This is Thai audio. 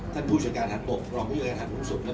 ท่านผู้จัดการทางบกรองวิวงานทางภูมิสุทธิ์